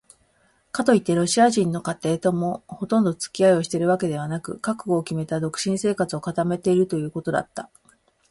かといってロシア人の家庭ともほとんどつき合いをしているわけでもなく、覚悟をきめた独身生活を固めているということだった。